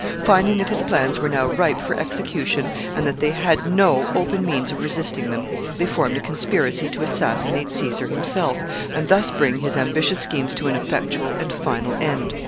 Finding that his plans were now ripe for execution, and that they had no, open means of resisting them, they formed a conspiracy to assassinate Caesar himself, and thus bring his ambitious schemes to an effectual and final end.